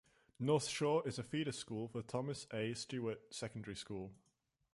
North Shore is a feeder school for Thomas A. Stewart Secondary School.